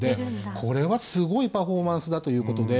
これはすごいパフォーマンスだということで。